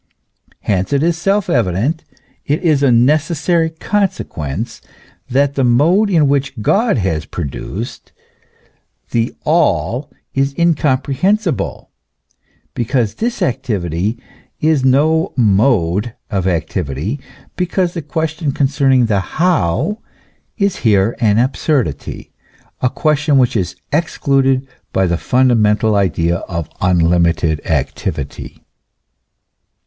Hence it is self evident, it is a necessary consequence, that the mode in which God has produced the All is incomprehensible, because this activity is no mode of activity, because the question concerning the how is here an absurdity, a question which is excluded by the fundamental idea of unlimited activity.